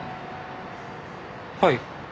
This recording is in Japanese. はい？